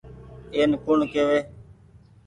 اين ڪوڻ ڪيوي۔